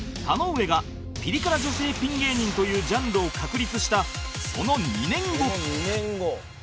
田上がピリ辛女性ピン芸人というジャンルを確立したその２年後